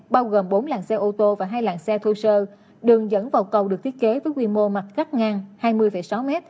bao gồm bốn làng xe ô tô và hai làng xe thô sơ đường dẫn vào cầu được thiết kế với quy mô mặt cắt ngang hai mươi sáu m